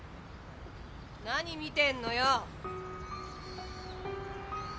何見てんのよ！